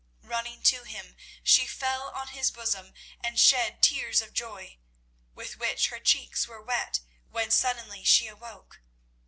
Running to him, she fell on his bosom and shed tears of joy, with which her cheeks were wet when suddenly she awoke.